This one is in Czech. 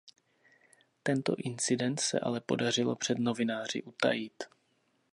Tento incident se ale podařilo před novináři utajit.